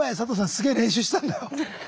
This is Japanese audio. すげえ練習してたんだよ。